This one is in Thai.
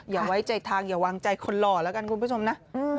อย่าไว้ใจทางอย่าวางใจคนหล่อแล้วกันคุณผู้ชมนะ